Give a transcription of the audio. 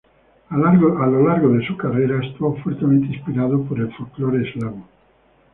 A largo de su carrera, estuvo fuertemente inspirado por el folclore eslavo.